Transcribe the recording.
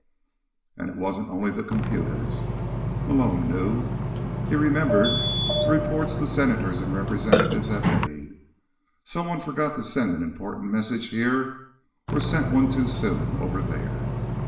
And it wasn't only the computers, Malone knew. He remembered the reports the senators and representatives had made. Someone forgot to send an important message here, or sent one too soon over there.